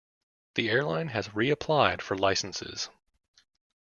The airline has re-applied for licences.